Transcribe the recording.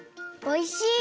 おいしい。